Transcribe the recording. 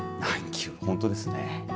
本当ですね。